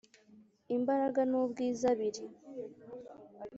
Imbaraga n ubwiza biri